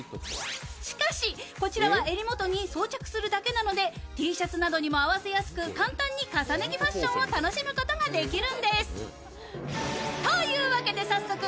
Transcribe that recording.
しかし、こちらは襟もとに装着するだけなのでＴシャツなどにも合わせやすく簡単に重ね着ファッションを楽しむことができるんです。